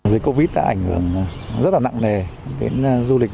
dịch covid một mươi chín đã ảnh hưởng rất là nặng nề đến du lịch